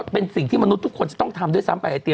เป็นสิ่งที่มนุษย์ทุกคนจะต้องทำด้วยซ้ำไป